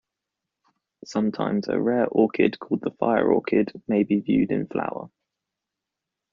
Sometimes a rare orchid called the fire orchid may be viewed in flower.